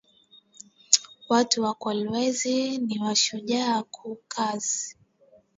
Watu wa kolwezi niwa shujaa ku kazi